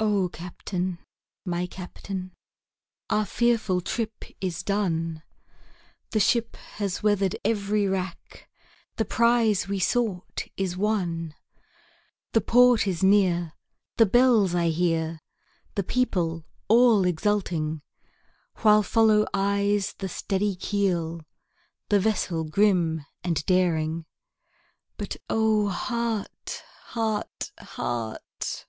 O CAPTAIN! my Captain, our fearful trip is done, The ship has weather'd every rack, the prize we sought is won, The port is near, the bells I hear, the people all exulting, While follow eyes the steady keel, the vessel grim and daring; But O heart! heart! heart!